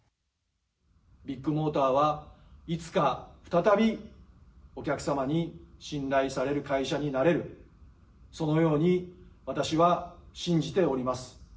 ビッグモーターはいつか再びお客様に信頼される会社になれる、そのように私は信じております。